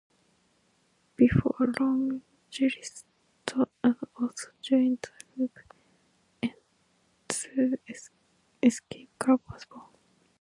Before long, Christo had also joined the lineup, and The Escape Club was born.